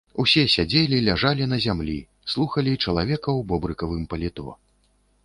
Усе сядзелі, ляжалі на зямлі, слухалі чалавека ў бобрыкавым паліто.